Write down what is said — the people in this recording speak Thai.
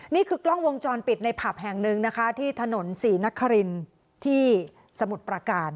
นี่คือกล้องวงจรปิดในผับแห่งหนึ่งนะคะที่ถนนศรีนครินที่สมุทรประการ